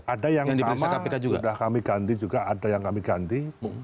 ada yang sama sudah kami ganti juga ada yang kami ganti